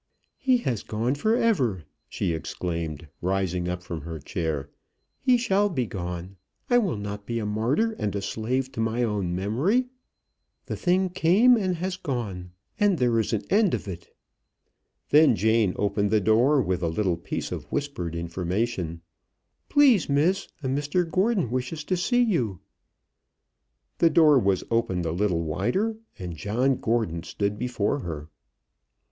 "He has gone for ever!" she exclaimed, rising up from her chair. "He shall be gone; I will not be a martyr and a slave to my own memory. The thing came, and has gone, and there is an end of it." Then Jane opened the door, with a little piece of whispered information. "Please, Miss, a Mr Gordon wishes to see you." The door was opened a little wider, and John Gordon stood before her.